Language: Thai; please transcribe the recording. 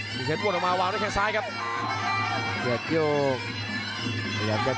อุดอีกครั้งนี้คือออกมาวางรูดอีกแขนซ้ายครับ